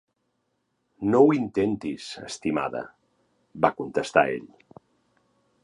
"No ho intentis, estimada", va contestar ell.